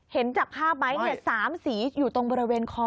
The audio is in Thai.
เห็นจากภาพไหม๓สีอยู่ตรงบริเวณคอ